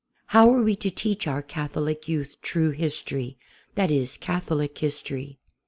How are we to teach our Catholic youth true history, that is, Catholic history?